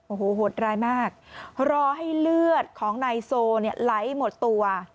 โอ้โหโหดร้ายมากรอให้เลือดของนายโซเนี่ยไหลหมดตัว